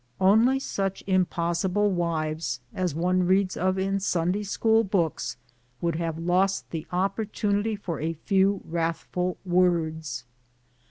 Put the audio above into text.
Only such impossible wives as one reads of in Sun day school books would have lost the opportunity for a few wrathful words.